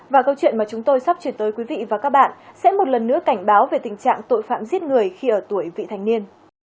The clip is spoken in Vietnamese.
và câu chuyện mà chúng tôi sắp chuyển tới quý vị và các bạn sẽ một lần nữa cảnh báo về tình trạng tội phạm giết người khi ở tuổi vị thành niên